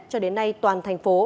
cho đến nay toàn thành phố